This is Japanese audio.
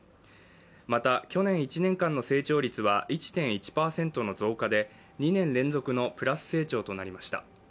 また、去年１年間の成長率は１．１％と増加で、２年連続のプラス成長となりました。